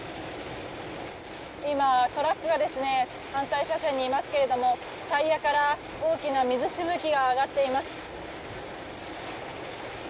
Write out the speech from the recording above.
今、トラックが反対車線にいますがタイヤから大きな水しぶきが上がっています。